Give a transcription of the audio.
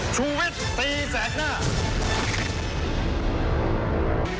ชูวิทย์ตีแสกหน้า